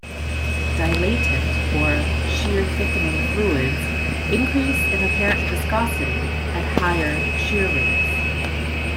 Dilatant, or "shear-thickening" fluids increase in apparent viscosity at higher shear rates.